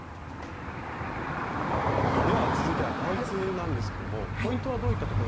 では続いてはパンツなんですけどもポイントはどういったところにありますか？